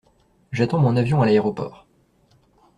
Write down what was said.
J'attends mon avion à l'aéroport.